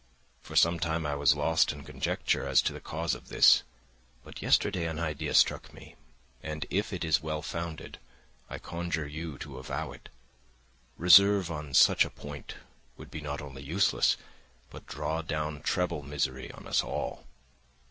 For some time I was lost in conjecture as to the cause of this, but yesterday an idea struck me, and if it is well founded, I conjure you to avow it. Reserve on such a point would be not only useless, but draw down treble misery on us all."